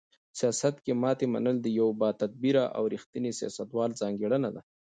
سیاست کې ماتې منل د یو باتدبیره او رښتیني سیاستوال ځانګړنه ده.